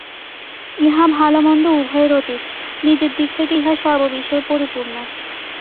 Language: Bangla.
ইহা ভাল-মন্দ উভয়ের অতীত, নিজের দিক হইতে ইহা সর্ববিষয়ে পরিপূর্ণ।